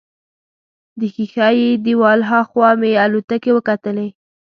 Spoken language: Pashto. د ښیښه یي دیوال هاخوا مې الوتکې وکتلې.